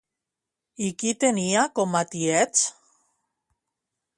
I qui tenia com a tiets?